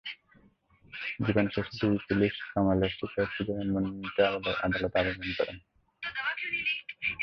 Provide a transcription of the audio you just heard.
Remand শেষে DB police কামালের স্বীকারোক্তিমূলক জবানবন্দি নিতে আদালতে আবেদন করেন।